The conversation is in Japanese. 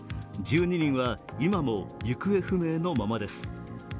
１２人は今も行方不明のままです。